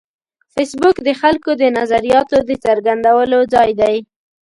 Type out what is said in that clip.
فېسبوک د خلکو د نظریاتو د څرګندولو ځای دی